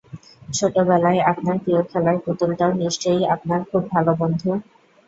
ছোটবেলায় আপনার প্রিয় খেলার পুতুলটাও নিশ্চয়ই আপনার খুব ভালো বন্ধু?